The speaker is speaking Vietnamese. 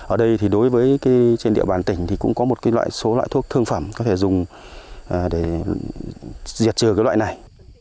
ở đây thì đối với trên địa bàn tỉnh thì cũng có một số loại thuốc thương phẩm có thể dùng để diệt trừ cái loại này